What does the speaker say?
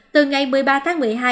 từ ngày một mươi ba tháng một mươi hai